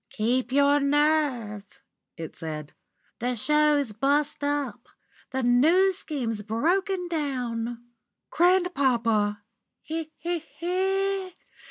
"Keep your nerve," it said. "The show's bust up; the New Scheme's broken down!" "Grandpapa!" "He he he!